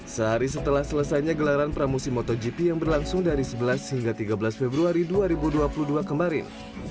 sehari setelah selesainya gelaran pramusim motogp yang berlangsung dari sebelas hingga tiga belas februari dua ribu dua puluh dua kemarin